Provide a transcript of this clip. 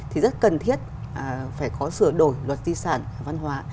thì rất cần thiết phải có sửa đổi luật di sản văn hóa